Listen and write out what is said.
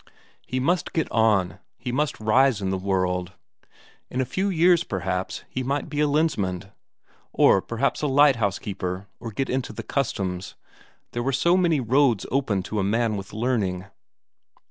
He must get on, he must rise in the world. In a few years, perhaps, he might be a Lensmand, or perhaps a lighthouse keeper, or get into the Customs. There were so many roads open to a man with learning.